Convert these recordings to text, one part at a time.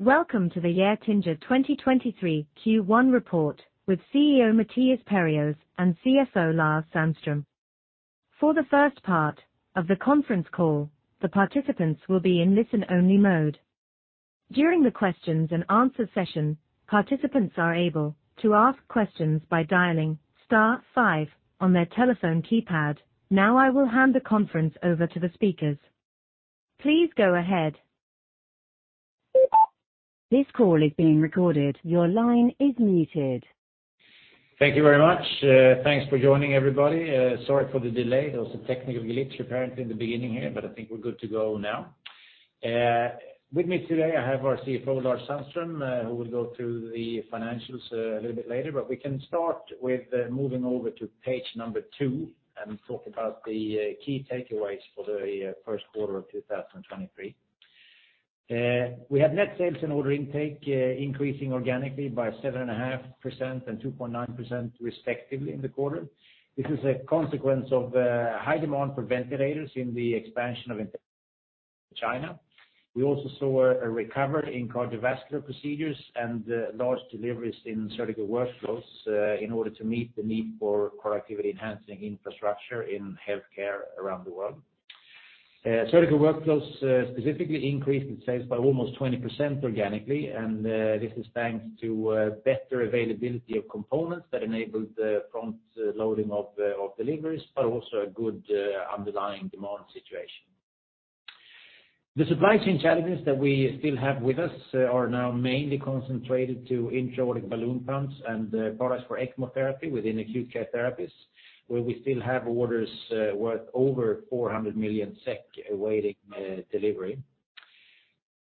Welcome to the Getinge 2023 Q1 report with CEO Mattias Perjos and CFO Lars Sandström. For the first part of the conference call, the participants will be in listen-only mode. During the questions and answer session, participants are able to ask questions by dialing star five on their telephone keypad. Now I will hand the conference over to the speakers. Please go ahead. This call is being recorded. Your line is muted. Thank you very much. Thanks for joining, everybody. Sorry for the delay. There was a technical glitch apparently in the beginning here, but I think we're good to go now. With me today, I have our CFO, Lars Sandström, who will go through the financials a little bit later. We can start with moving over to page number two and talk about the key takeaways for the first quarter of 2023. We had net sales and order intake increasing organically by 7.5% and 2.9% respectively in the quarter. This is a consequence of high demand for ventilators in the expansion of China. We also saw a recovery in cardiovascular procedures and large deliveries in Surgical Workflows in order to meet the need for productivity enhancing infrastructure in healthcare around the world. Surgical Workflows specifically increased in sales by almost 20% organically. This is thanks to better availability of components that enabled the front loading of deliveries, but also a good underlying demand situation. The supply chain challenges that we still have with us are now mainly concentrated to intra-aortic balloon pumps and products for ECMO therapy within Acute Care Therapies, where we still have orders worth over 400 million SEK awaiting delivery.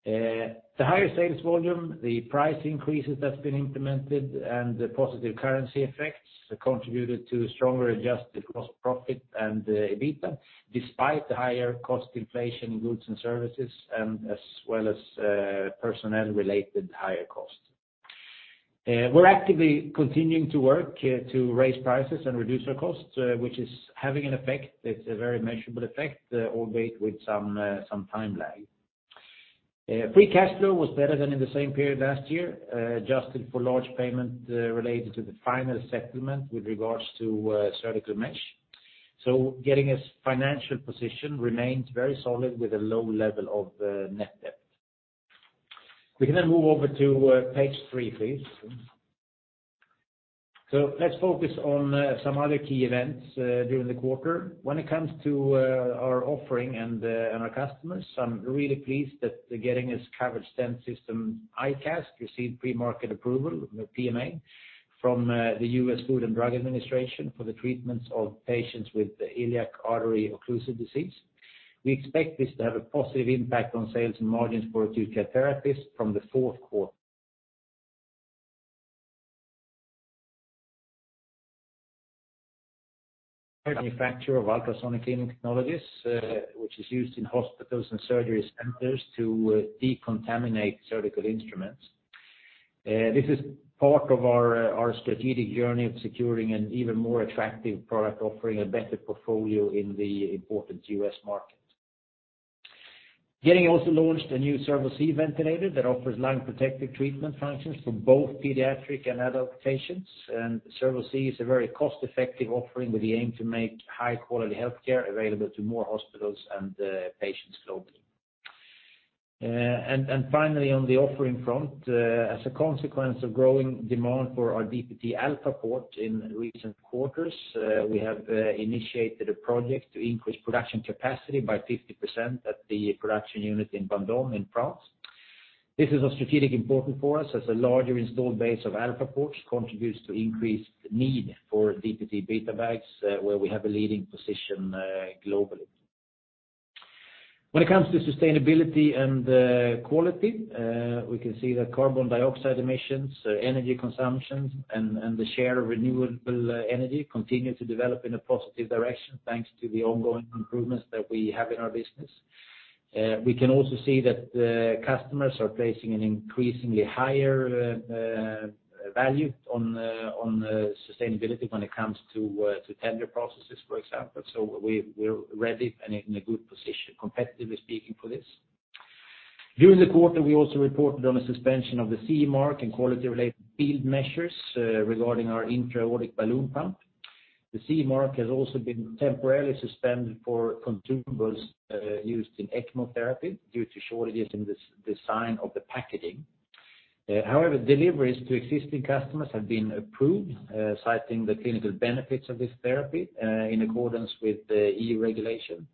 The higher sales volume, the price increases that's been implemented, and the positive currency effects contributed to stronger adjusted gross profit and EBITDA, despite the higher cost inflation in goods and services as well as personnel related higher costs. We're actively continuing to work to raise prices and reduce our costs, which is having an effect. It's a very measurable effect, albeit with some time lag. Free cash flow was better than in the same period last year, adjusted for large payment related to the final settlement with regards to surgical mesh. Getinge's financial position remained very solid with a low level of net debt. We can move over to page three, please. Let's focus on some other key events during the quarter. When it comes to our offering and our customers, I'm really pleased that the Getinge's covered stent system iCast received pre-market approval, the PMA, from the U.S. Food and Drug Administration for the treatments of patients with iliac artery occlusive disease. We expect this to have a positive impact on sales and margins for Acute Care Therapies from the fourth quarter manufacturer of ultrasonic cleaning technologies, which is used in hospitals and surgery centers to decontaminate surgical instruments. This is part of our strategic journey of securing an even more attractive product, offering a better portfolio in the important U.S. market. Getinge also launched a new Servo-c ventilator that offers lung protective treatment functions for both pediatric and adult patients. Servo-c is a very cost-effective offering with the aim to make high quality healthcare available to more hospitals and patients globally. Finally, on the offering front, as a consequence of growing demand for our DPTE-Alpha Port in recent quarters, we have initiated a project to increase production capacity by 50% at the production unit in Vendôme in France. This is of strategic importance for us as a larger installed base of Alpha Ports contributes to increased need for DPTE-BetaBag, where we have a leading position globally. When it comes to sustainability and quality, we can see that carbon dioxide emissions, energy consumption, and the share of renewable energy continue to develop in a positive direction, thanks to the ongoing improvements that we have in our business. We can also see that customers are placing an increasingly higher value on sustainability when it comes to tender processes, for example. We're ready and in a good position, competitively speaking for this. During the quarter, we also reported on a suspension of the CE mark and quality related field measures regarding our intra-aortic balloon pump. The CE mark has also been temporarily suspended for consumables used in ECMO therapy due to shortages in this design of the packaging. However, deliveries to existing customers have been approved, citing the clinical benefits of this therapy in accordance with the EU regulation.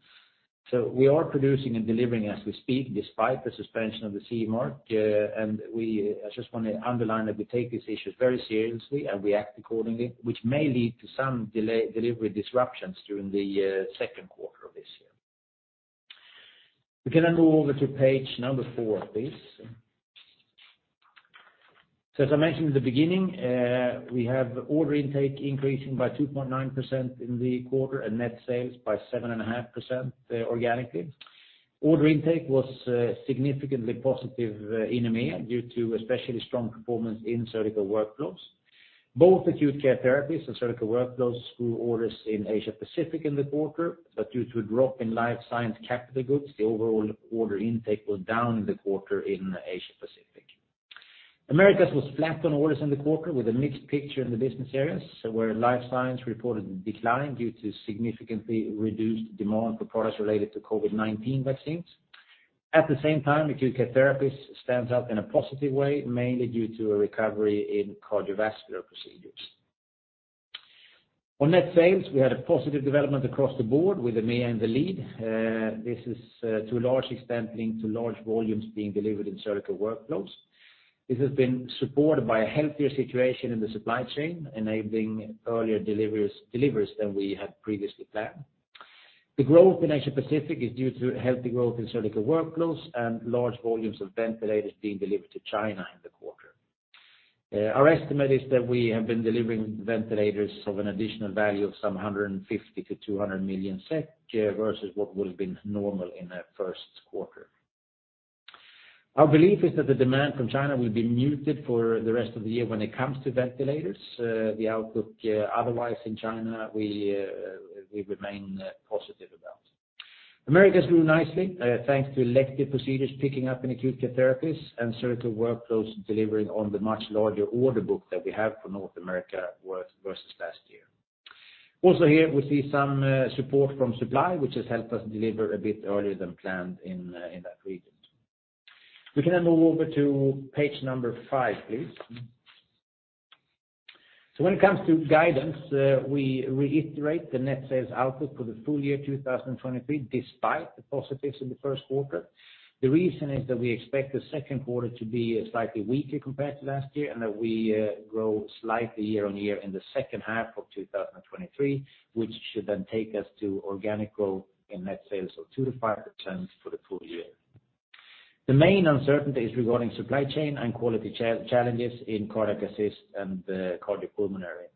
We are producing and delivering as we speak despite the suspension of the CE mark. I just want to underline that we take these issues very seriously and we act accordingly, which may lead to some delay delivery disruptions during the second quarter of this year. We can move over to page number four, please. As I mentioned at the beginning, we have order intake increasing by 2.9% in the quarter and net sales by 7.5% organically. Order intake was significantly positive in EMEA due to especially strong performance in Surgical Workflows. Both Acute Care Therapies and Surgical Workflows grew orders in Asia Pacific in the quarter. Due to a drop in Life Science capital goods, the overall order intake was down in the quarter in Asia Pacific. Americas was flat on orders in the quarter, with a mixed picture in the business areas, where Life Science reported a decline due to significantly reduced demand for products related to COVID-19 vaccines. At the same time, Acute Care Therapies stands out in a positive way, mainly due to a recovery in cardiovascular procedures. On net sales, we had a positive development across the board with EMEA and the lead. This is to a large extent linked to large volumes being delivered in Surgical Workflows. This has been supported by a healthier situation in the supply chain, enabling earlier deliveries than we had previously planned. The growth in Asia Pacific is due to healthy growth in Surgical Workflows and large volumes of ventilators being delivered to China in the quarter. Our estimate is that we have been delivering ventilators of an additional value of some 150 million-200 million SEK versus what would have been normal in a first quarter. Our belief is that the demand from China will be muted for the rest of the year when it comes to ventilators. The outlook otherwise in China, we remain positive about. Americas grew nicely, thanks to elective procedures picking up in Acute Care Therapies and Surgical Workflows delivering on the much larger order book that we have for North America work versus last year. Also here we see some support from supply, which has helped us deliver a bit earlier than planned in that region. We can move over to page number five, please. When it comes to guidance, we reiterate the net sales outlook for the full year 2023, despite the positives in the first quarter. The reason is that we expect the second quarter to be slightly weaker compared to last year, and that we grow slightly year-on-year in the second half of 2023, which should then take us to organic growth in net sales of 2%-5% for the full year. The main uncertainty is regarding supply chain and quality challenges in Cardiac Assist and Cardiopulmonary.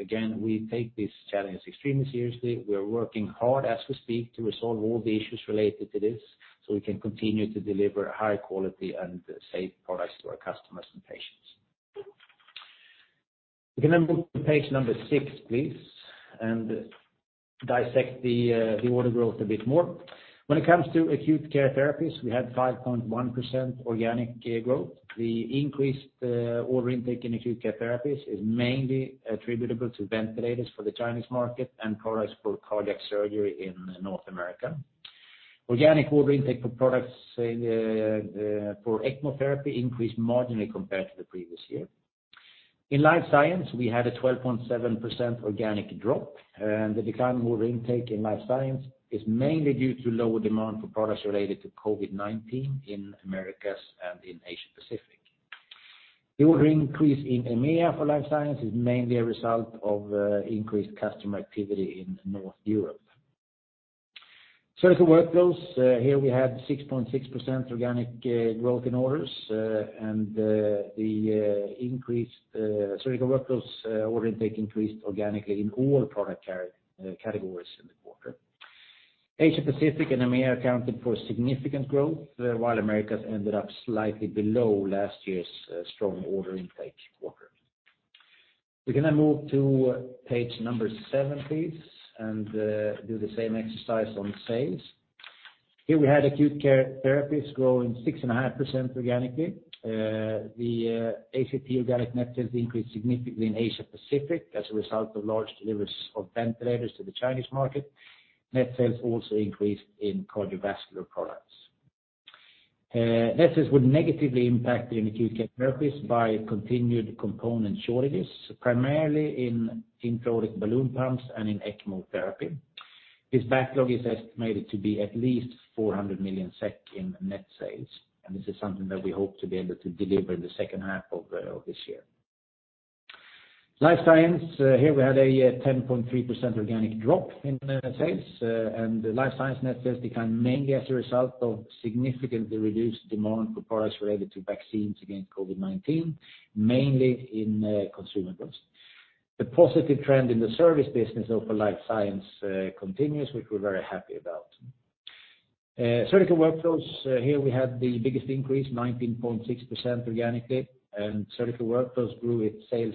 Again, we take this challenge extremely seriously. We are working hard as we speak to resolve all the issues related to this, so we can continue to deliver high quality and safe products to our customers and patients. We can move to page number six, please, and dissect the order growth a bit more. When it comes to Acute Care Therapies, we had 5.1% organic growth. The increased order intake in Acute Care Therapies is mainly attributable to ventilators for the Chinese market and products for cardiac surgery in North America. Organic order intake for products for ECMO therapy increased marginally compared to the previous year. In Life Science, we had a 12.7% organic drop, the decline in order intake in Life Science is mainly due to lower demand for products related to COVID-19 in Americas and in Asia Pacific. The order increase in EMEA for Life Science is mainly a result of increased customer activity in North Europe. Surgical Workflows, here we had 6.6% organic growth in orders. The increased Surgical Workflows order intake increased organically in all product categories in the quarter. Asia Pacific and EMEA accounted for significant growth, while Americas ended up slightly below last year's strong order intake quarter. We can move to page number seven, please, and do the same exercise on sales. Here we had Acute Care Therapies growing 6.5% organically. The ACT organic net sales increased significantly in Asia Pacific as a result of large deliveries of ventilators to the Chinese market. Net sales also increased in cardiovascular products. Net sales were negatively impacted in Acute Care Therapies by continued component shortages, primarily in intra-aortic balloon pumps and in ECMO therapy. This backlog is estimated to be at least 400 million SEK in net sales. This is something that we hope to be able to deliver in the second half of this year. Life Science, here we had a 10.3% organic drop in net sales. The Life Science net sales declined mainly as a result of significantly reduced demand for products related to vaccines against COVID-19, mainly in consumables. The positive trend in the service business over Life Science, continues, which we're very happy about. Surgical Workflows, here we had the biggest increase, 19.6% organically. Surgical Workflows grew its sales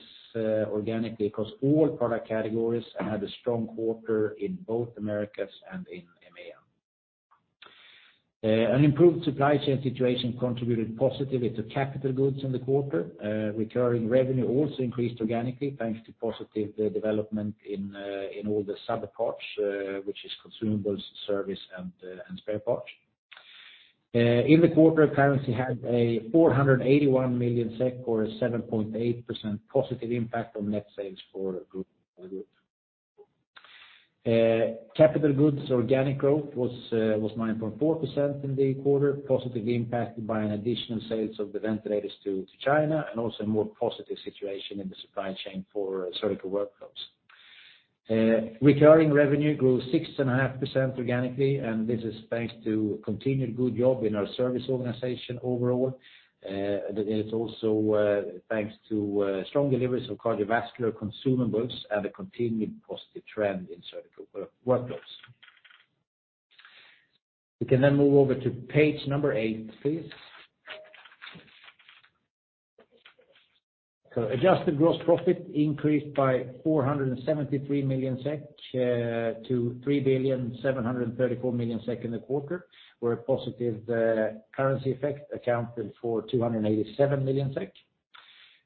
organically across all product categories and had a strong quarter in both Americas and in EMEA. An improved supply chain situation contributed positively to capital goods in the quarter. Recurring revenue also increased organically, thanks to positive development in all the subparts, which is consumables, service, and spare parts. In the quarter, currency had a 481 million SEK or a 7.8% positive impact on net sales for the group. Capital goods organic growth was 9.4% in the quarter, positively impacted by an additional sales of the ventilators to China and also a more positive situation in the supply chain for Surgical Workflows. Recurring revenue grew 6.5% organically, and this is thanks to continued good job in our service organization overall. That is also thanks to strong deliveries of cardiovascular consumables and a continued positive trend in Surgical Workflows. We can move over to page number eight, please. Adjusted gross profit increased by 473 million SEK to 3,734 million SEK in the quarter. Where a positive currency effect accounted for 287 million SEK.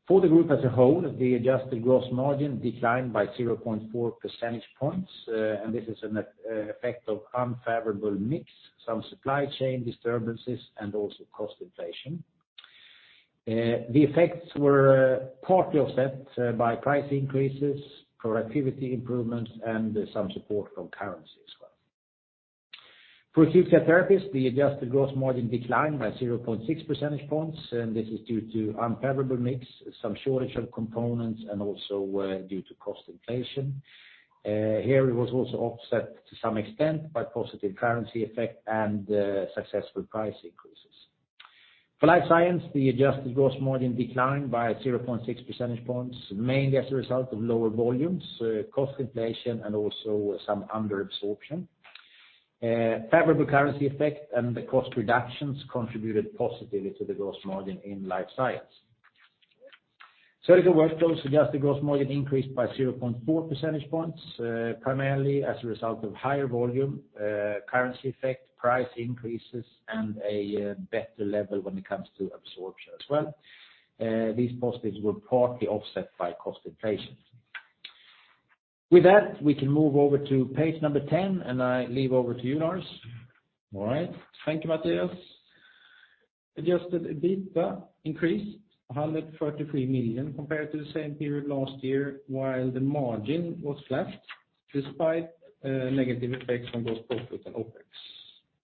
For the group as a whole, the adjusted gross margin declined by 0.4 percentage points. This is an effect of unfavorable mix, some supply chain disturbances, and also cost inflation. The effects were partly offset by price increases, productivity improvements, and some support from currency as well. For Acute Care Therapies, the adjusted gross margin declined by 0.6 percentage points, and this is due to unfavorable mix, some shortage of components, and also due to cost inflation. Here it was also offset to some extent by positive currency effect and successful price increases. For Life Science, the adjusted gross margin declined by 0.6 percentage points, mainly as a result of lower volumes, cost inflation, and also some under-absorption. Favorable currency effect and the cost reductions contributed positively to the gross margin in Life Science. Surgical Workflows adjusted gross margin increased by 0.4 percentage points, primarily as a result of higher volume, currency effect, price increases, and a better level when it comes to absorption as well. These positives were partly offset by cost inflation. With that, we can move over to page number 10, and I leave over to you, Lars. All right. Thank you, Mattias. Adjusted EBITDA increased 133 million compared to the same period last year, while the margin was flat despite negative effects on gross profit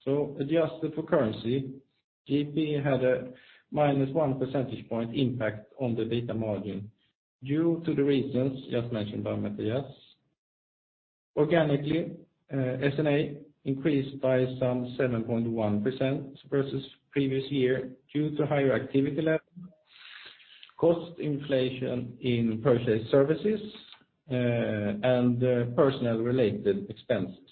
and OpEx. Adjusted for currency, GP had a -1 percentage point impact on the data margin due to the reasons just mentioned by Mattias. Organically, net sales increased by some 7.1% versus previous year due to higher activity levels, cost inflation in purchased services and personnel related expenses.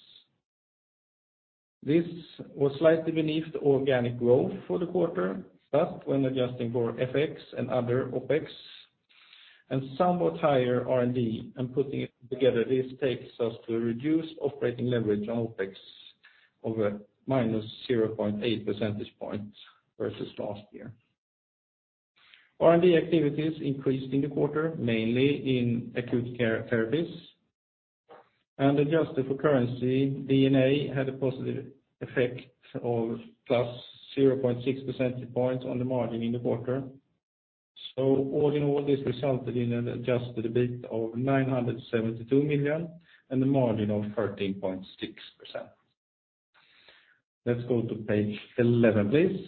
This was slightly beneath the organic growth for the quarter, but when adjusting for FX and other OpEx and somewhat higher R&D and putting it together, this takes us to a reduced operating leverage on OpEx of a -0.8 percentage point versus last year. R&D activities increased in the quarter, mainly in Acute Care Therapies. Adjusted for currency, D&A had a positive effect of +0.6 percentage points on the margin in the quarter. All in all, this resulted in an adjusted EBIT of 972 million and a margin of 13.6%. Let's go to page 11, please.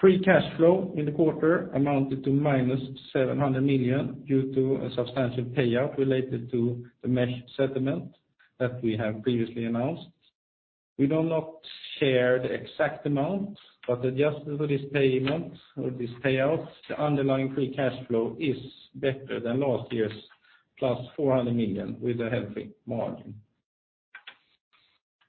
Free cash flow in the quarter amounted to -700 million due to a substantial payout related to the mesh settlement that we have previously announced. We do not share the exact amount, adjusted for this payment or this payout, the underlying free cash flow is better than last year's +400 million with a healthy margin.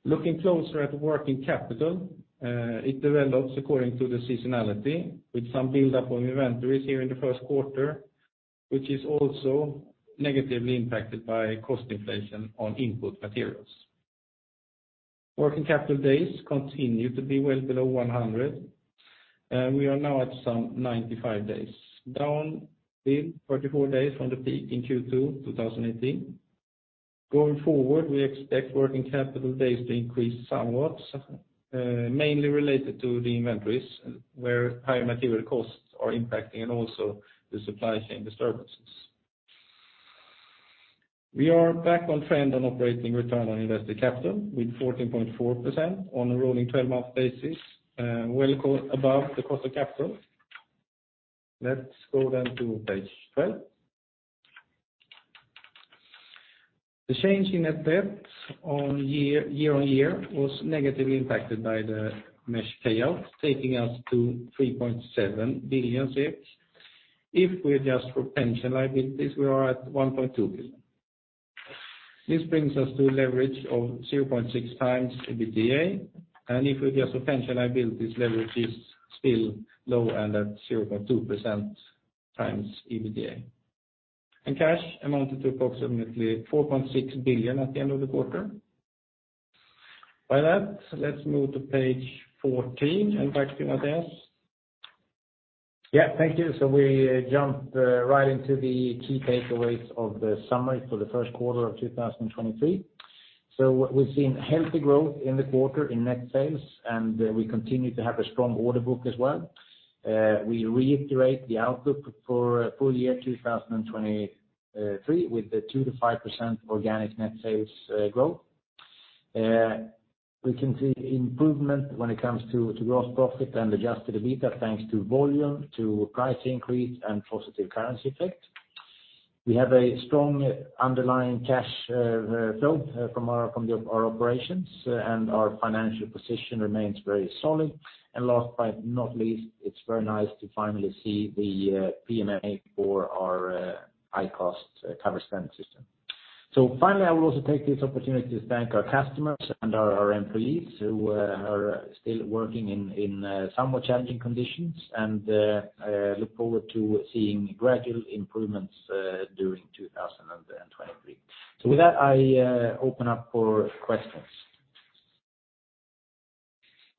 Looking closer at working capital, it develops according to the seasonality with some buildup on inventories here in the first quarter, which is also negatively impacted by cost inflation on input materials. Working capital days continue to be well below 100. We are now at some 95 days, down 34 days from the peak in Q2, 2018. Going forward, we expect working capital days to increase somewhat, mainly related to the inventories, where higher material costs are impacting and also the supply chain disturbances. We are back on trend on operating return on invested capital with 14.4% on a rolling 12-month basis, well above the cost of capital. Let's go to page 12. The change in net debt on year-over-year was negatively impacted by the mesh payout, taking us to 3.7 billion. If we adjust for pension liabilities, we are at 1.2 billion. This brings us to a leverage of 0.6 times EBITDA. If we adjust for pension liabilities, leverage is still low and at 0.2% times EBITDA. Cash amounted to approximately 4.6 billion at the end of the quarter. By that, let's move to page 14 and back to Mattias. Thank you. We jump right into the key takeaways of the summary for the first quarter of 2023. We've seen healthy growth in the quarter in net sales, and we continue to have a strong order book as well. We reiterate the outlook for full year 2023 with the 2%-5% organic net sales growth. We can see improvement when it comes to gross profit and adjusted EBITDA thanks to volume, to price increase, and positive currency effect. We have a strong underlying cash flow from our operations, and our financial position remains very solid. Last but not least, it's very nice to finally see the PMA for our iCast covered stent system. Finally, I will also take this opportunity to thank our customers and our employees who are still working in somewhat challenging conditions. I look forward to seeing gradual improvements during 2023. With that, I open up for questions.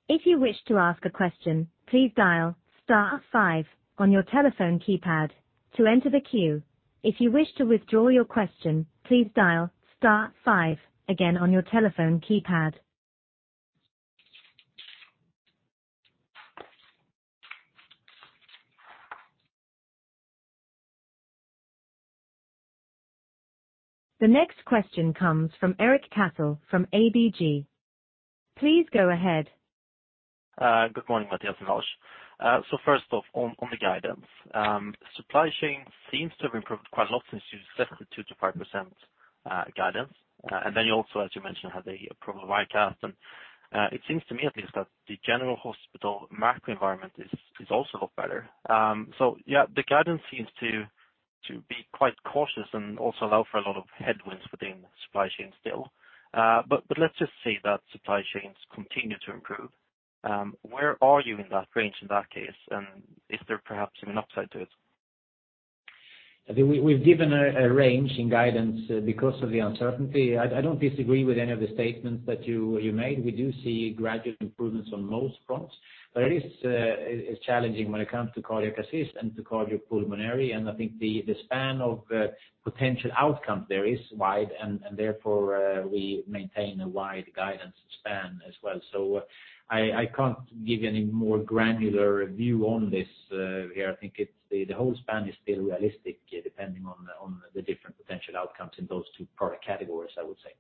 If you wish to ask a question, please dial star five on your telephone keypad to enter the queue. If you wish to withdraw your question, please dial star five again on your telephone keypad. The next question comes from Sten Gustafsson from ABG. Please go ahead. Good morning, Mattias and Lars. First off on the guidance. Supply chain seems to have improved quite a lot since you set the 2%-5% guidance. Then you also, as you mentioned, had the approval of iCast. It seems to me at least that the general hospital macro environment is also better. Yeah, the guidance seems to be quite cautious and also allow for a lot of headwinds within supply chain still. But let's just say that supply chains continue to improve. Where are you in that range in that case? Is there perhaps even upside to it? I think we've given a range in guidance because of the uncertainty. I don't disagree with any of the statements that you made. We do see gradual improvements on most fronts. It is challenging when it comes to Cardiac Assist and to Cardiopulmonary. I think the span of potential outcomes there is wide and therefore, we maintain a wide guidance span as well. I can't give you any more granular view on this here. I think the whole span is still realistic, depending on the different potential outcomes in those two product categories, I would say.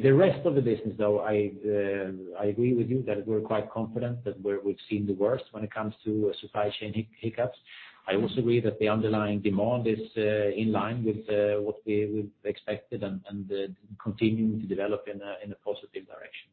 The rest of the business, though, I agree with you that we've seen the worst when it comes to supply chain hiccups. I also agree that the underlying demand is in line with what we expected and continuing to develop in a positive direction.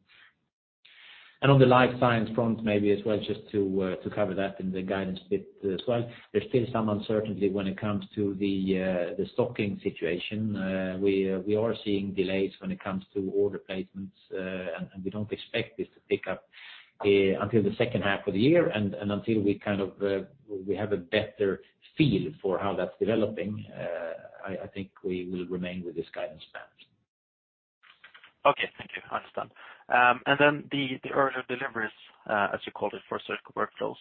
On the Life Science front, maybe as well, just to cover that in the guidance bit as well. There's still some uncertainty when it comes to the stocking situation. We are seeing delays when it comes to order placements, and we don't expect this to pick up until the second half of the year. Until we kind of, we have a better feel for how that's developing, I think we will remain with this guidance span. Okay, thank you. Understand. The earlier deliveries, as you called it, for Surgical Workflows,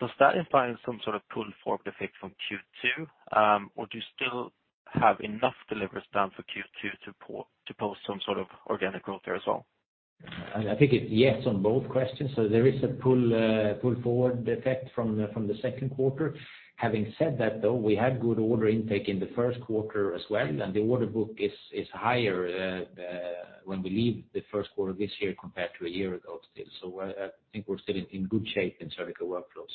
does that imply some sort of pull forward effect from Q2, or do you still have enough deliveries done for Q2 to post some sort of organic growth there as well? I think it's yes on both questions. There is a pull-forward effect from the from the second quarter. Having said that, though, we had good order intake in the first quarter as well, and the order book is higher when we leave the first quarter this year compared to a year ago. I think we're still in good shape in Surgical Workflows.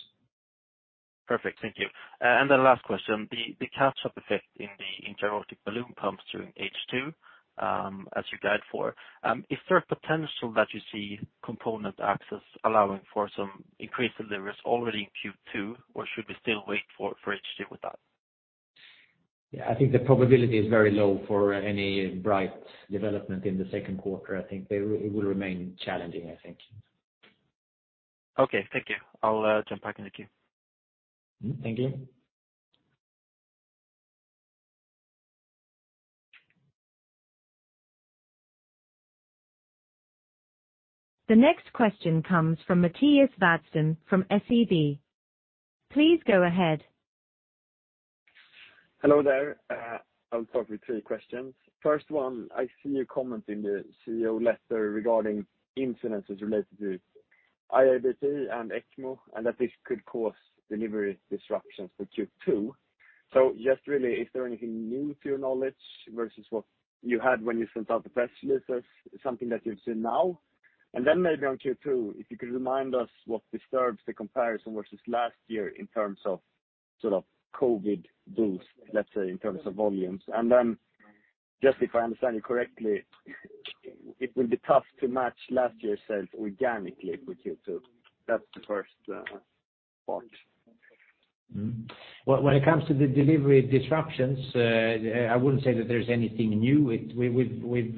Perfect. Thank you. The last question, the catch-up effect in the Intra-Aortic Balloon Pumps during H2, as you guide for. Is there a potential that you see component access allowing for some increased deliveries already in Q2 or should we still wait for H2 with that? Yeah, I think the probability is very low for any bright development in the second quarter. I think it will remain challenging, I think. Okay, thank you. I'll jump back in the queue. Thank you. The next question comes from Mattias Vadsten from SEB. Please go ahead. Hello there. I'll start with three questions. First one, I see your comment in the CEO letter regarding incidences related to IABP and ECMO, and that this could cause delivery disruptions for Q2. just really, is there anything new to your knowledge versus what you had when you sent out the press releases, something that you've seen now? maybe on Q2, if you could remind us what disturbs the comparison versus last year in terms of sort of COVID boost, let's say, in terms of volumes. just if I understand you correctly, it will be tough to match last year's sales organically with Q2. That's the first part. Well, when it comes to the delivery disruptions, I wouldn't say that there's anything new. We've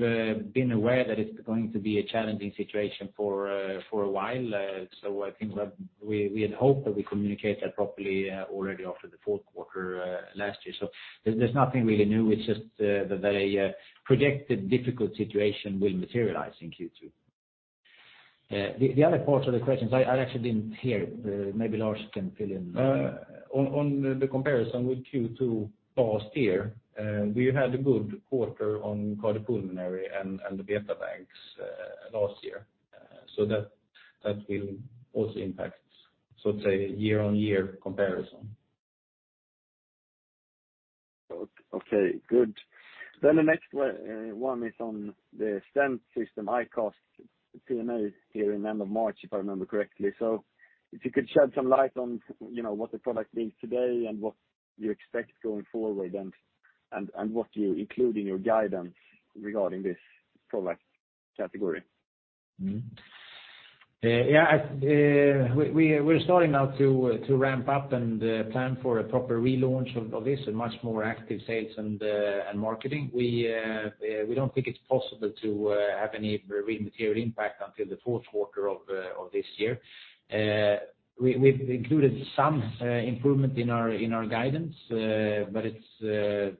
been aware that it's going to be a challenging situation for a while. I think we had hoped that we communicate that properly already after the 4th quarter last year. There's nothing really new. It's just that a projected difficult situation will materialize in Q2. The other part of the questions, I actually didn't hear. Maybe Lars can fill in. On the comparison with Q2 last year, we had a good quarter on Cardiopulmonary and BetaBags last year. That will also impact, so to say, year-on-year comparison. Okay, good. The next one is on the stent system, iCast, PMA here in the end of March, if I remember correctly. If you could shed some light on, you know, what the product means today and what you expect going forward and what you include in your guidance regarding this product category. Yeah, we're starting now to ramp up and plan for a proper relaunch of this and much more active sales and marketing. We, we don't think it's possible to have any real material impact until the fourth quarter of this year. We, we've included some improvement in our, in our guidance, but it's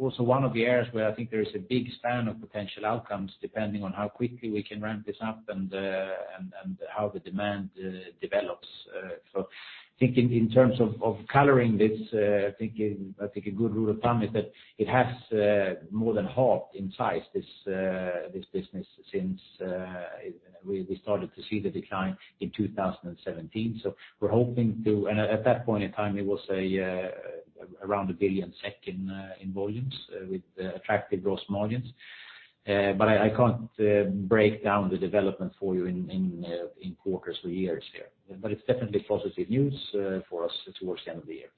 also one of the areas where I think there is a big span of potential outcomes depending on how quickly we can ramp this up and how the demand develops. Thinking in terms of coloring this, thinking, I think a good rule of thumb is that it has more than halved in size, this business since, we started to see the decline in 2017. We're hoping to-- At that point in time, it was around 1 billion SEK in volumes with attractive gross margins. But I can't break down the development for you in quarters or years here. It's definitely positive news for us towards the end of the year.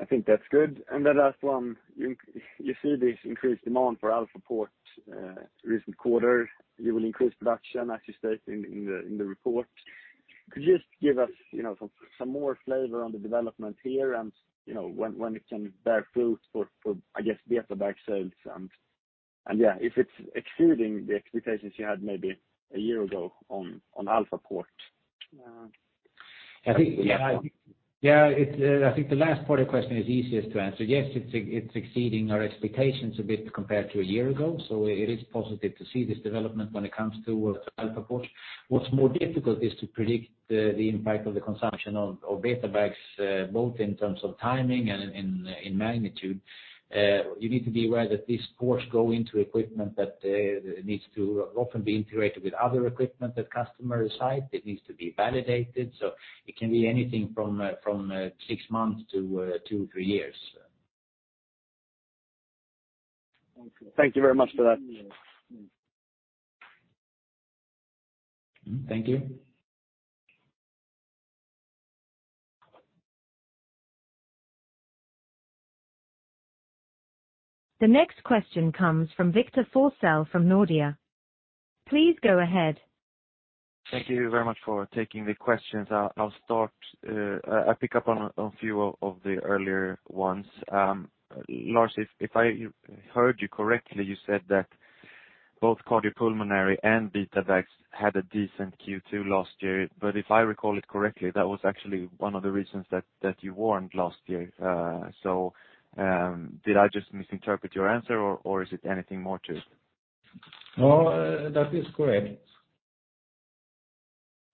I think that's good. The last one, you see this increased demand for Alpha Port, recent quarter, you will increase production as you state in the report. Could you just give us, you know, some more flavor on the development here and, you know, when it can bear fruit for I guess, BetaBag sales and yeah, if it's exceeding the expectations you had maybe a year ago on Alpha Port. Yeah. I think the last part of the question is easiest to answer. Yes, it's exceeding our expectations a bit compared to a year ago. It is positive to see this development when it comes to Alpha Port. What's more difficult is to predict the impact of the consumption of BetaBags, both in terms of timing and in magnitude. You need to be aware that these ports go into equipment that needs to often be integrated with other equipment at customer site. It needs to be validated. It can be anything from six months to 2-3 years. Thank you. Thank you very much for that. Thank you. The next question comes from Victor Forssell from Nordea. Please go ahead. Thank you very much for taking the questions. I'll start. I pick up on a few of the earlier ones. Lars, if I heard you correctly, you said that both Cardiopulmonary and BetaBags had a decent Q2 last year. If I recall it correctly, that was actually one of the reasons that you warned last year. Did I just misinterpret your answer or is it anything more to it? No, that is correct.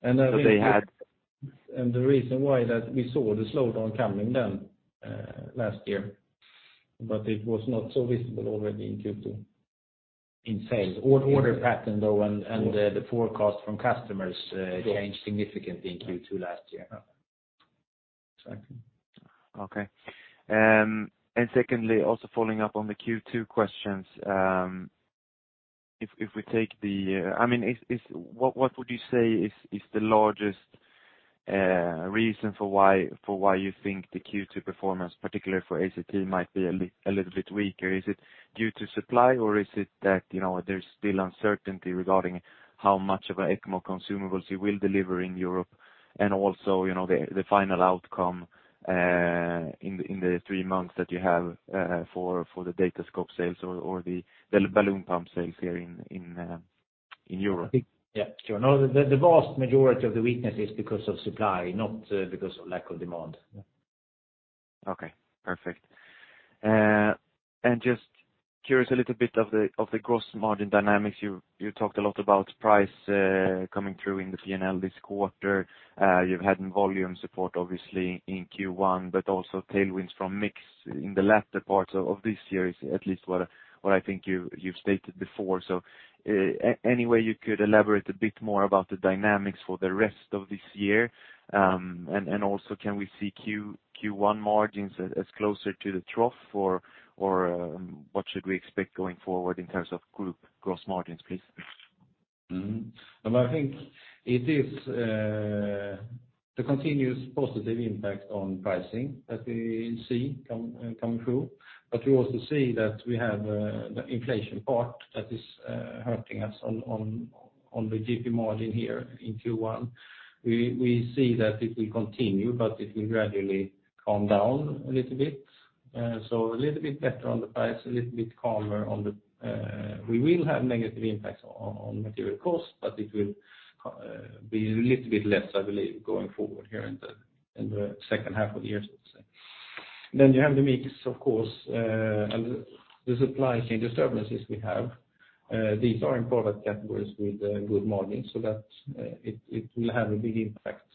Thhat they had-- The reason why that we saw the slowdown coming then, last year, but it was not so visible already in Q2, in sales or order pattern, though, and the forecast from customers changed significantly in Q2 last year. Exactly. Secondly, also following up on the Q2 questions, if we take the, What would you say is the largest reason for why you think the Q2 performance, particularly for ACT, might be a little bit weaker? Is it due to supply or is it that, you know, there's still uncertainty regarding how much of a ECMO consumables you will deliver in Europe? Also, you know, the final outcome in the three months that you have for the Datascope sales or the balloon pump sales here in Europe. Yeah. Sure. No, the vast majority of the weakness is because of supply, not because of lack of demand. Yeah. Okay. Perfect. Just curious a little bit of the gross margin dynamics. You talked a lot about price, coming through in the P&L this quarter. You've had volume support obviously in Q1, but also tailwinds from mix in the latter parts of this year is at least what I think you've stated before. Any way you could elaborate a bit more about the dynamics for the rest of this year? Also can we see Q1 margins as closer to the trough or, what should we expect going forward in terms of group gross margins, please? I think it is the continuous positive impact on pricing that we see coming through. We also see that we have the inflation part that is hurting us on the GP margin here in Q1. We see that it will continue, but it will gradually calm down a little bit. A little bit better on the price, a little bit calmer on the. We will have negative impacts on material costs, but it will be a little bit less, I believe, going forward here in the second half of the year, so to say. You have the mix, of course, and the supply chain disturbances we have. These are in product categories with good margins, so that it will have a big impact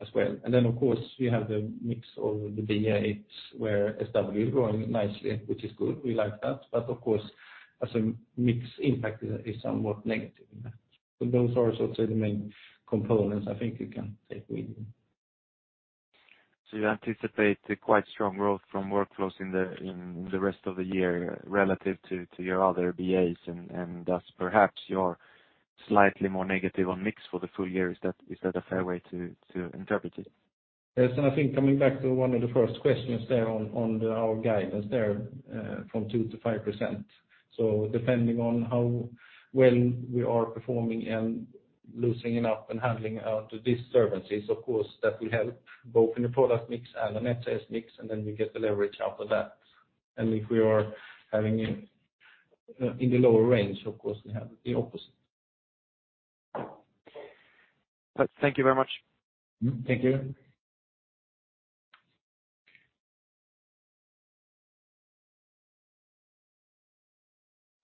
on that as well. Of course, we have the mix of the BAs where SW is growing nicely, which is good. We like that. Of course, as a mix impact is somewhat negative in that. Those are sort of the main components I think you can take with you. You anticipate a quite strong growth from Workflows in the rest of the year relative to your other BAs and thus perhaps you're slightly more negative on mix for the full year. Is that a fair way to interpret it? I think coming back to one of the first questions there on our guidance there, from 2%-5%. Depending on how well we are performing and losing enough and handling out the disturbances, of course, that will help both in the product mix and the net sales mix, and then we get the leverage out of that. If we are having it in the lower range, of course, we have the opposite. Thank you very much. Thank you.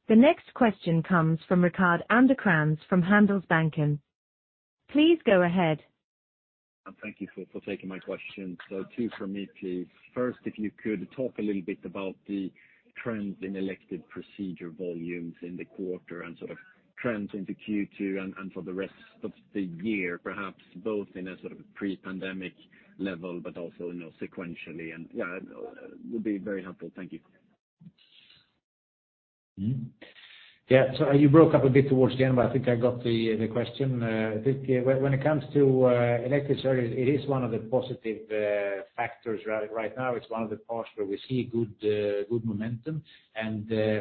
The next question comes from Rickard Anderkrans from Handelsbanken. Please go ahead. Thank you for taking my question. Two for me, please. First, if you could talk a little bit about the trend in elective procedure volumes in the quarter and sort of trends into Q2 and for the rest of the year, perhaps both in a sort of pre-pandemic level but also, you know, sequentially and, yeah, would be very helpful. Thank you. You broke up a bit towards the end, but I think I got the question. I think when it comes to elective surgeries, it is one of the positive factors right now. It's one of the parts where we see good momentum.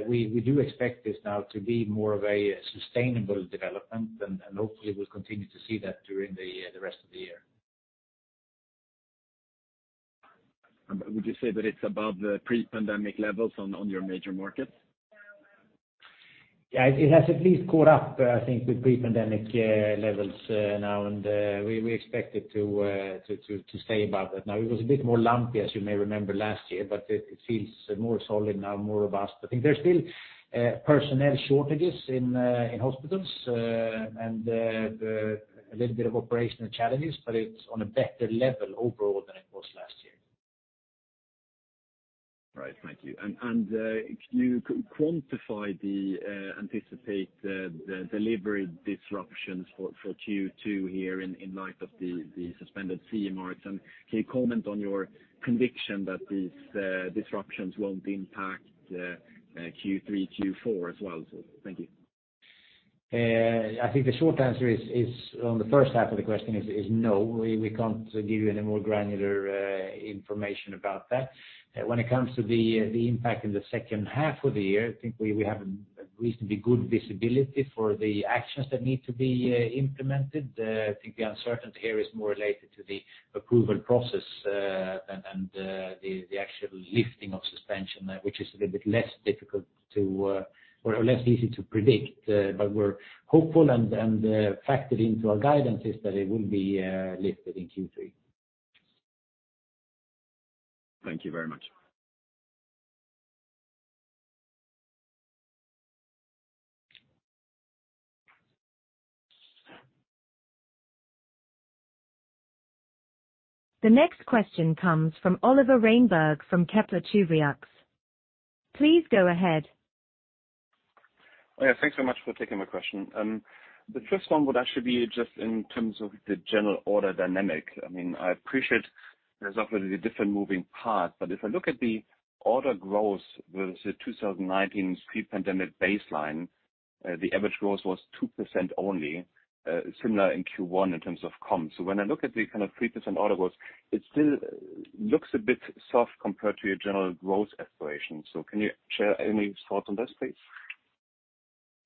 We do expect this now to be more of a sustainable development, and hopefully we'll continue to see that during the rest of the year. Would you say that it's above the pre-pandemic levels on your major markets? It has at least caught up, I think, with pre-pandemic levels now, and we expect it to stay above that. It was a bit more lumpy, as you may remember last year, but it feels more solid now, more robust. I think there's still personnel shortages in hospitals, and a little bit of operational challenges, but it's on a better level overall than it was last year. Right. Thank you. Could you quantify the anticipate the delivery disruptions for Q2 here in light of the suspended CE marks? Can you comment on your conviction that these disruptions won't impact Q3, Q4 as well? Thank you. I think the short answer is on the first half of the question is no. We can't give you any more granular information about that. When it comes to the impact in the second half of the year, I think we have reasonably good visibility for the actions that need to be implemented. I think the uncertainty here is more related to the approval process, and the actual lifting of suspension, which is a little bit less difficult to or less easy to predict. We're hopeful and factored into our guidance is that it will be lifted in Q3. Thank you very much. The next question comes from Oliver Reinberg from Kepler Cheuvreux. Please go ahead. Yeah. Thanks so much for taking my question. The first one would actually be just in terms of the general order dynamic. I mean, I appreciate there's obviously a different moving part, but if I look at the order growth versus the 2019 pre-pandemic baseline, the average growth was 2% only, similar in Q1 in terms of comm. When I look at the kind of 3% order growth, it still looks a bit soft compared to your general growth aspiration. Can you share any thoughts on this, please?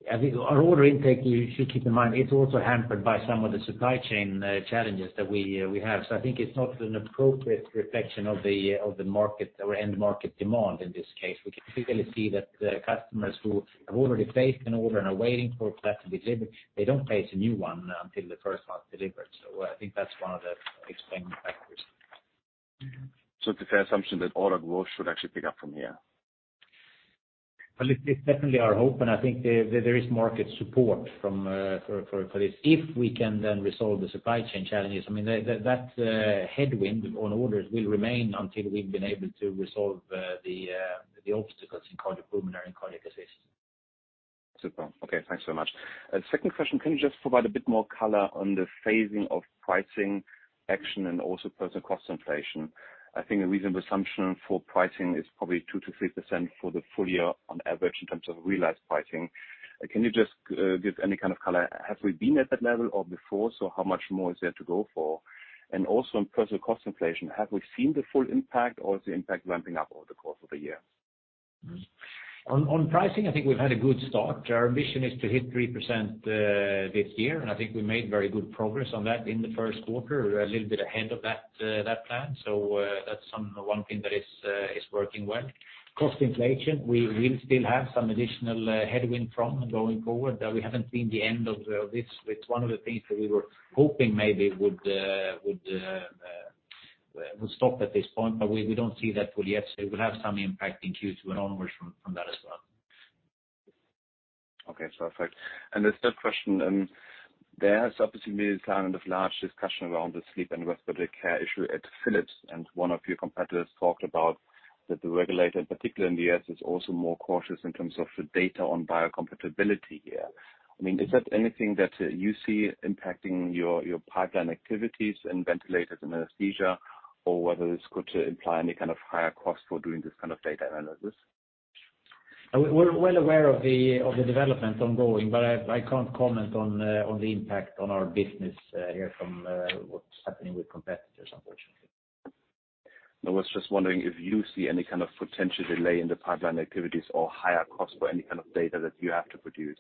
I think our order intake, you should keep in mind, it's also hampered by some of the supply chain, challenges that we have. I think it's not an appropriate reflection of the market or end market demand in this case. We can clearly see that customers who have already placed an order and are waiting for that to be delivered, they don't place a new one until the first one's delivered. I think that's one of the explaining factors. It's a fair assumption that order growth should actually pick up from here. Well, it's definitely our hope, and I think there is market support from for this. If we can then resolve the supply chain challenges, I mean, that headwind on orders will remain until we've been able to resolve the obstacles in Cardiopulmonary and Cardiac Assist. Super. Okay. Thanks so much. Second question, can you just provide a bit more color on the phasing of pricing action and also personnel cost inflation? I think a reasonable assumption for pricing is probably 2%-3% for the full year on average in terms of realized pricing. Can you just give any kind of color? Have we been at that level or before? How much more is there to go for? Also on personnel cost inflation, have we seen the full impact or is the impact ramping up over the course of the year? On pricing, I think we've had a good start. Our ambition is to hit 3% this year, and I think we made very good progress on that in the first quarter. We're a little bit ahead of that plan. That's one thing that is working well. Cost inflation, we will still have some additional headwind from going forward. We haven't seen the end of this. It's one of the things that we were hoping maybe would stop at this point, but we don't see that fully yet. It will have some impact in Q2 and onwards from that as well. Okay. Perfect. The third question, there has obviously been kind of large discussion around the sleep and respiratory care issue at Philips, and one of your competitors talked about that the regulator, particularly in the U.S., is also more cautious in terms of the data on biocompatibility here. I mean, is that anything that you see impacting your pipeline activities in ventilators and anesthesia, or whether this could imply any kind of higher cost for doing this kind of data analysis? We're well aware of the development ongoing, but I can't comment on the impact on our business here from what's happening with competitors, unfortunately. I was just wondering if you see any kind of potential delay in the pipeline activities or higher costs for any kind of data that you have to produce?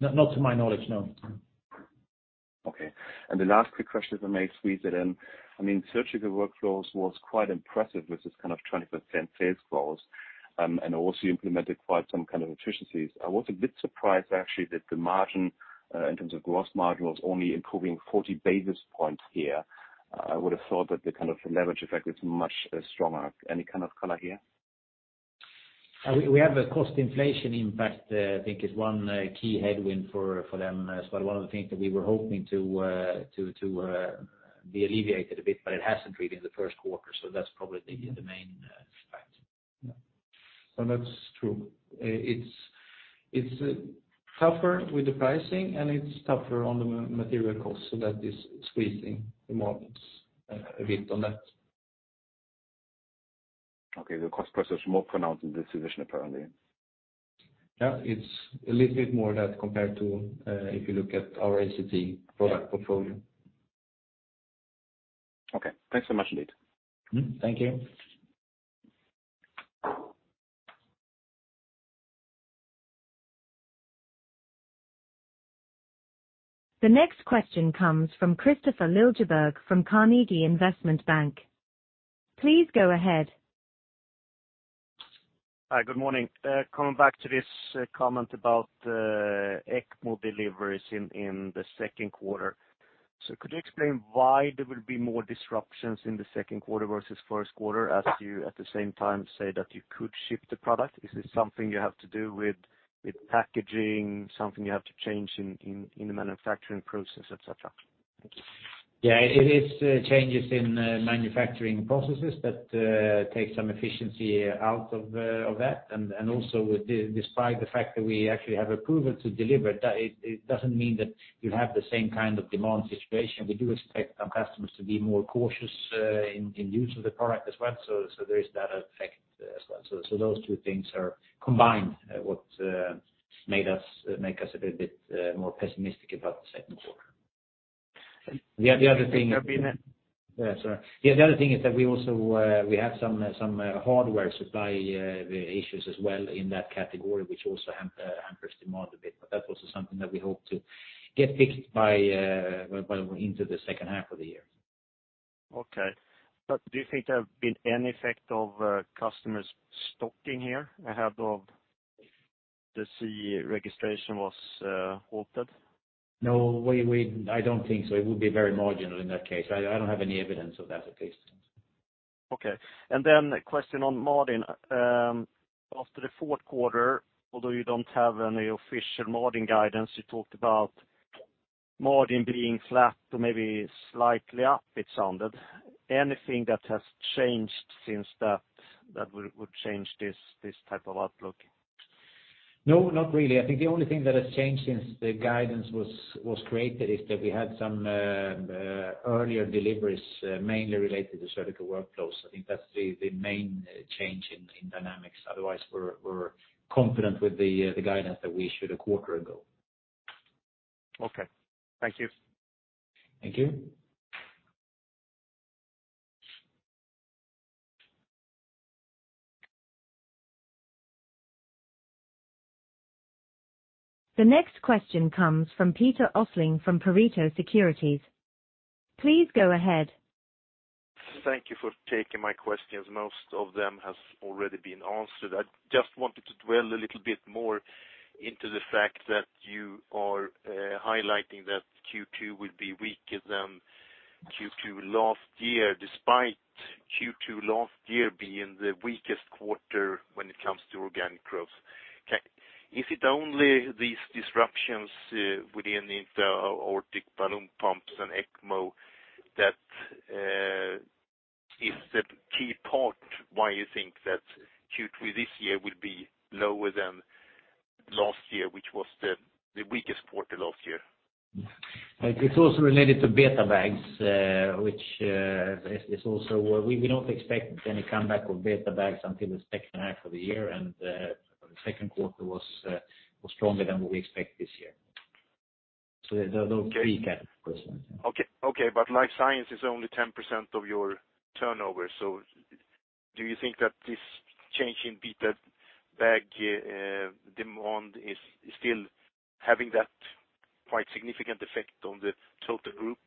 Not to my knowledge, no. Okay. The last quick question I may squeeze it in. I mean, Surgical Workflows was quite impressive with this kind of 20% sales growth, also implemented quite some kind of efficiencies. I was a bit surprised actually that the margin, in terms of gross margin, was only improving 40 basis points here. I would have thought that the kind of leverage effect is much, stronger. Any kind of color here? We have a cost inflation impact, I think is one key headwind for them as well. One of the things that we were hoping to be alleviated a bit, but it hasn't really in the first quarter. That's probably the main fact. Yeah. Well, that's true. It's tougher with the pricing and it's tougher on the material costs. That is squeezing the margins a bit on that. Okay. The cost price is more pronounced in this division, apparently. Yeah. It's a little bit more that compared to, if you look at our entity product portfolio. Okay. Thanks so much indeed. Thank you. The next question comes from Kristofer Liljeberg from Carnegie Investment Bank. Please go ahead. Hi, good morning. Coming back to this comment about ECMO deliveries in the second quarter. Could you explain why there will be more disruptions in the second quarter versus first quarter as you at the same time say that you could ship the product? Is this something you have to do with packaging, something you have to change in the manufacturing process, etc? Thank you. Yeah. It is changes in manufacturing processes that take some efficiency out of that. Despite the fact that we actually have approval to deliver, it doesn't mean that you have the same kind of demand situation. We do expect our customers to be more cautious in use of the product as well. There is that effect as well. Those two things are combined what made us make us a little bit more pessimistic about the second quarter. Yes, the other thing is that we also, we have some hardware supply issues as well in that category, which also hampers demand a bit. That's also something that we hope to get fixed by into the second half of the year. Okay. Do you think there have been any effect of customers stocking here ahead of the CE registration was halted? No, we I don't think so. It would be very marginal in that case. I don't have any evidence of that at least. Okay. A question on margin. After the fourth quarter, although you don't have any official margin guidance, you talked about margin being flat or maybe slightly up, it sounded. Anything that has changed since that would change this type of outlook? No, not really. I think the only thing that has changed since the guidance was created is that we had some earlier deliveries, mainly related to Surgical Workflows. I think that's the main change in dynamics. Otherwise, we're confident with the guidance that we issued a quarter ago. Okay. Thank you. Thank you. The next question comes from Peter Östling from Pareto Securities. Please go ahead. Thank you for taking my questions. Most of them has already been answered. I just wanted to dwell a little bit more into the fact that you are highlighting that Q2 will be weaker than Q2 last year, despite Q2 last year being the weakest quarter when it comes to organic growth. Is it only these disruptions within the aortic balloon pumps and ECMO that is the key part why you think that Q3 this year will be lower than last year, which was the weakest quarter last year? It's also related to BetaBags, which is also where we don't expect any comeback of BetaBags until the second half of the year and the second quarter was stronger than what we expect this year. There are a little three categories. Okay. Okay, Life Science is only 10% of your turnover. Do you think that this change in BetaBag demand is still having that quite significant effect on the total group?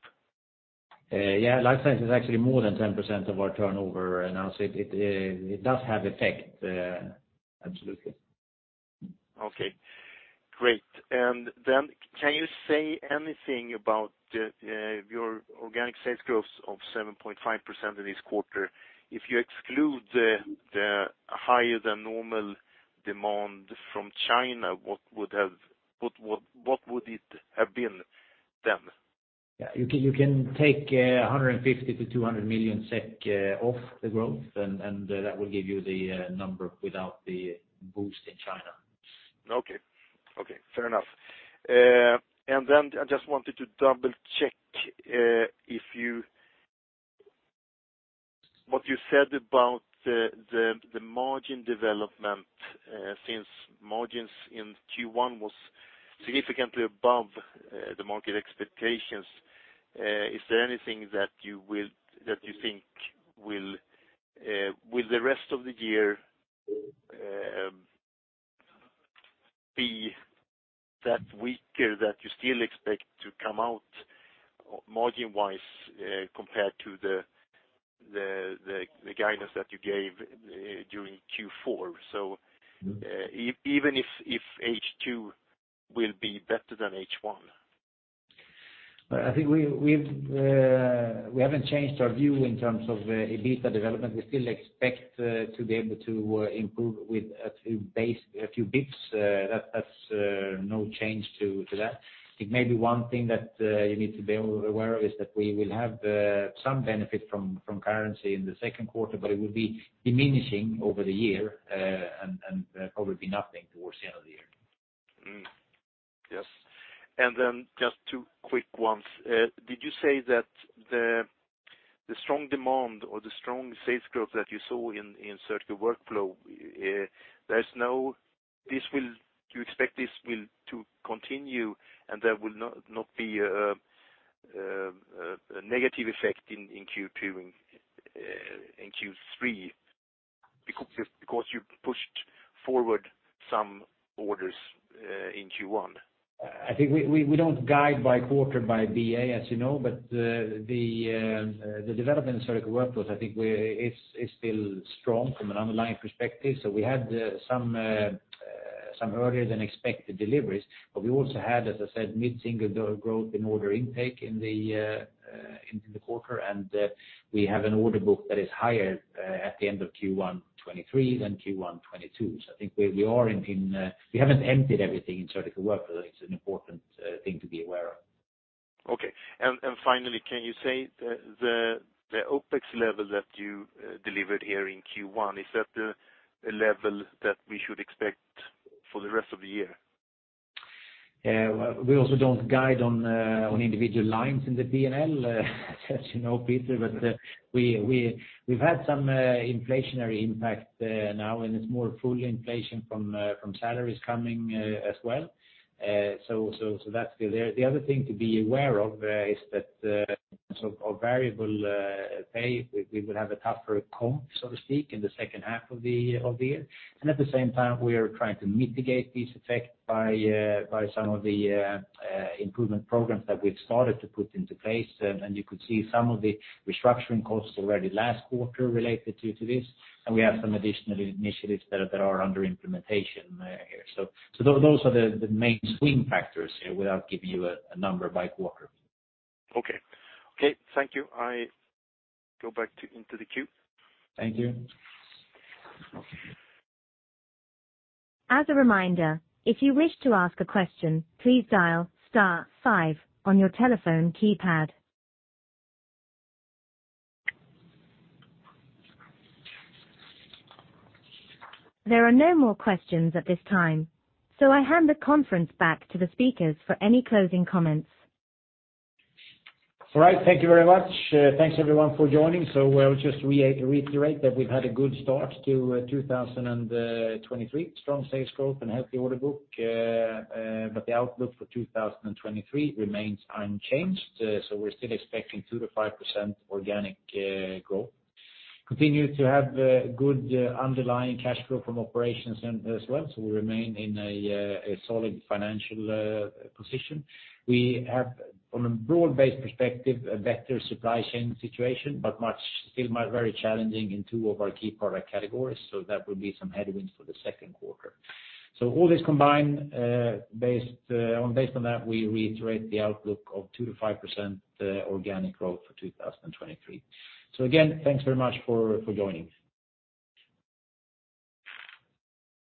Yeah. Life Science is actually more than 10% of our turnover now. It does have effect, absolutely. Okay, great. Can you say anything about your organic sales growth of 7.5% in this quarter? If you exclude the higher than normal demand from China, what would it have been then? Yeah. You can take 150 million-200 million SEK off the growth, and that will give you the number without the boost in China. Okay. Okay, fair enough. Then I just wanted to double-check what you said about the margin development, since margins in Q1 was significantly above the market expectations. Is there anything that you think will the rest of the year be that weaker that you still expect to come out margin-wise compared to the guidance that you gave during Q4? Even if H2 will be better than H1. I think we've, we haven't changed our view in terms of EBITDA development. We still expect to be able to improve with a few bips. That's no change to that. It may be one thing that you need to be aware of is that we will have some benefit from currency in the second quarter, but it will be diminishing over the year and probably be nothing towards the end of the year. Yes. Then just two quick ones. Did you say that the strong demand or the strong sales growth that you saw in Surgical Workflows, Do you expect this will to continue, and there will not be a negative effect in Q2 and in Q3 because you pushed forward some orders in Q1? I think we don't guide by but quarter by BA, as you know. The development in Surgical Workflows, I think is still strong from an underlying perspective. We had some earlier than expected deliveries, but we also had, as I said, mid-single growth in order intake in the quarter. We have an order book that is higher at the end of Q1 2023 than Q1 2022. I think we are in. We haven't emptied everything in Surgical Workflows. That's an important thing to be aware of. Okay. Finally, can you say the OpEx level that you delivered here in Q1, is that the level that we should expect for the rest of the year? We also don't guide on individual lines in the P&L, as you know, Peter. We've had some inflationary impact now, and it's more full inflation from salaries coming as well. That's there. The other thing to be aware of is that so our variable pay, we will have a tougher comp, so to speak, in the second half of the year. At the same time, we are trying to mitigate this effect by some of the improvement programs that we've started to put into place. You could see some of the restructuring costs already last quarter related to this. We have some additional initiatives that are under implementation here. Those are the main swing factors here without giving you a number by quarter. Okay, thank you. I go into the queue. Thank you. As a reminder, if you wish to ask a question, please dial star five on your telephone keypad. There are no more questions at this time. I hand the conference back to the speakers for any closing comments. All right. Thank you very much. Thanks everyone for joining. I'll just reiterate that we've had a good start to 2023. Strong sales growth and healthy order book. The outlook for 2023 remains unchanged. We're still expecting 2%-5% organic growth. Continue to have good underlying cash flow from operations and as well, we remain in a solid financial position. We have, from a broad-based perspective, a better supply chain situation, but still very challenging in two of our key product categories, that will be some headwinds for the second quarter. All this combined, based on that, we reiterate the outlook of 2%-5% organic growth for 2023. Again, thanks very much for joining.